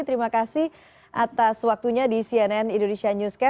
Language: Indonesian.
terima kasih atas waktunya di cnn indonesia newscast